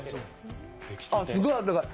あっ、すごいあったかい。